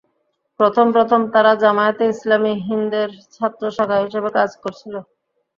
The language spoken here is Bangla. প্রথম প্রথম তারা জামায়াতে ইসলামি হিন্দের ছাত্র শাখা হিসেবে কাজ করছিল।